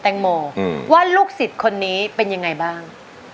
แตงโมว่าลูกศิษย์คนนี้เป็นยังไงบ้าง